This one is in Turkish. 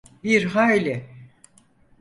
Bir hayli.